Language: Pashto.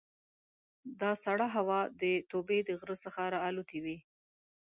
دا سړه هوا د توبې د غره څخه را الوتې وي.